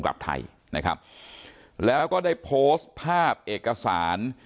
กลับไทยนะครับแล้วก็ได้โพสต์ภาพเอกสาร